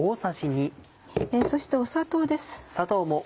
そして砂糖です。